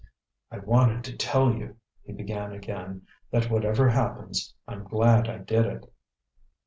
"I wanted to tell you," he began again, "that whatever happens, I'm glad I did it."